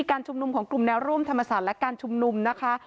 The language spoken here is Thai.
การชุมนุมของกลุ่มแนวร่วมธรรมศาสตร์และการชุมนุมนะคะ